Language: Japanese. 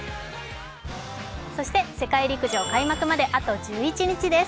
そして、世界陸上開幕まであと１１日です。